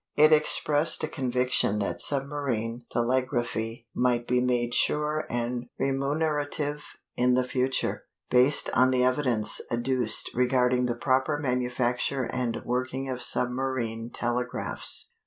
It expressed a conviction that submarine telegraphy might be made sure and remunerative in the future, based on the evidence adduced regarding the proper manufacture and working of submarine telegraphs.